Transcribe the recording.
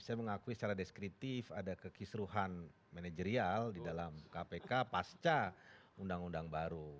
saya mengakui secara deskritif ada kekisruhan manajerial di dalam kpk pasca undang undang baru